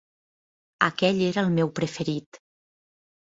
Aquell era el meu preferit!